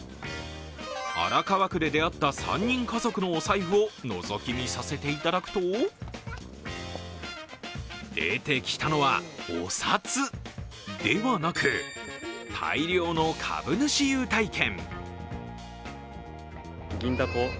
荒川区で出会った３人家族のお財布をのぞき見させていただくと出てきたのは、お札ではなく大量の株主優待券。